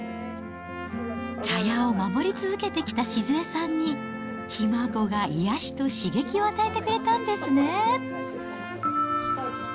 茶屋を守り続けてきた静恵さんに、ひ孫が癒やしと刺激を与えてくれたんですね。